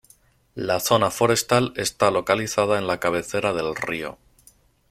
La zona forestal está localizada en la cabecera del río.